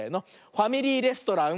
「ファミリーレストラン」。